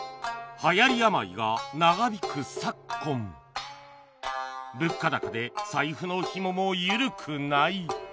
はやり病が長引く昨今物価高で財布のひももゆるくない